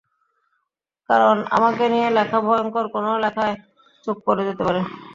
কারণ আমাকে নিয়ে লেখা ভয়ংকর কোনো লেখায় চোখ পড়ে যেতে পারে।